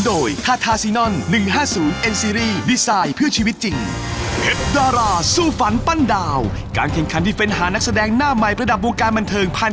ได้เจียรันไหนก็สดใจทุกตำบล